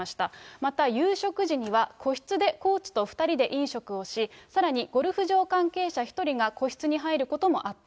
また夕食時には、個室でコーチと２人で飲食をし、さらにゴルフ場関係者１人が個室に入ることもあった。